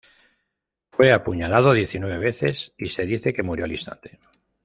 Fue apuñalado diecinueve veces y se dice que murió al instante.